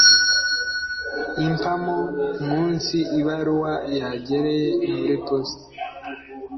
Impamo Umunsi Ibaruwa Yagereye Muri Posita